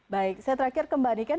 baik saya terakhir ke mbak niken